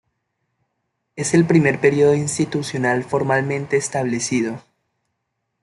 Es el primer período institucional formalmente establecido.